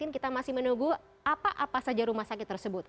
kita masih menunggu apa apa saja rumah sakit tersebut